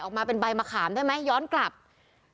เป็นพระรูปนี้เหมือนเคี้ยวเหมือนกำลังทำปากขมิบท่องกระถาอะไรสักอย่าง